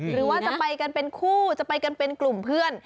หรือว่าจะไปกันเป็นคู่จะไปกันเป็นกลุ่มเพื่อน